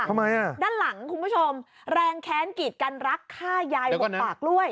ทำไมอ่ะด้านหลังคุณผู้ชมแรงแค้นกีดกันรักฆ่ายายบดปากกล้วย